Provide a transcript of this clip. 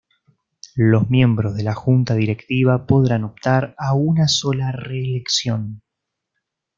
Los miembros de la Junta Directiva podrán optar a una sola reelección.